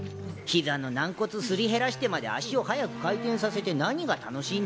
膝の軟骨すり減らしてまで足を速く回転させて何が楽しいんでしょうかねえ。